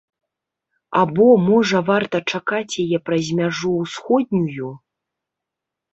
Або, можа, варта чакаць яе праз мяжу ўсходнюю?